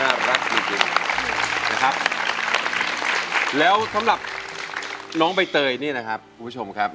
รักจริงจริงนะครับแล้วสำหรับน้องใบเตยนี่นะครับคุณผู้ชมครับ